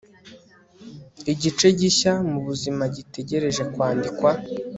igice gishya mubuzima gitegereje kwandikwa